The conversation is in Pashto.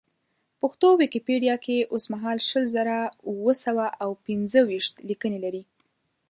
پښتو ویکیپېډیا کې اوسمهال شل زره اوه سوه او پېنځه ویشت لیکنې لري.